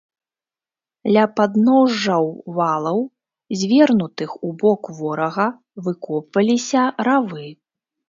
Ля падножжаў валаў, звернутых у бок ворага, выкопваліся равы.